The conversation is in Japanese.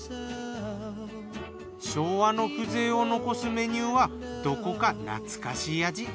昭和の風情を残すメニューはどこか懐かしい味。